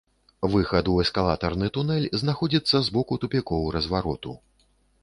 Выхад у эскалатарны тунэль знаходзіцца з боку тупікоў развароту.